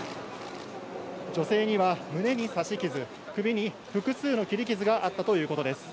女性には胸に刺し傷、首に複数の切り傷があったということです。